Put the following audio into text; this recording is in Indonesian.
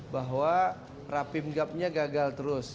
bahwa rapim gapnya gagal terus